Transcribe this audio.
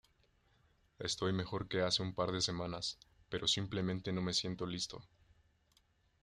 Estoy mejor que hace un par de semanas, pero simplemente no me siento listo"".